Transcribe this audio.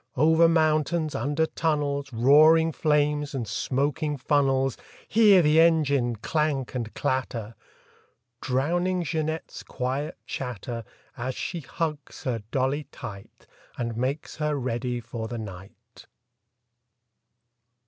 Over mountains, under tunnels, Roaring flames and smoking funnels— Hear the engine clank and clatter! Drowning Jeanette's quiet chatter As she hugs her dolly tight And makes her ready for the night.